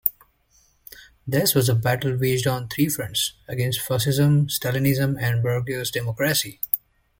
Theirs was a battle waged on three fronts: against Fascism, Stalinism, and bourgeois democracy.